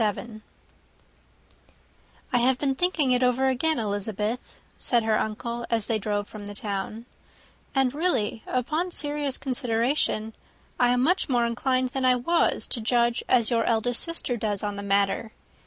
"I have been thinking it over again, Elizabeth," said her uncle, as they drove from the town; "and really, upon serious consideration, I am much more inclined than I was to judge as your eldest sister does of the matter.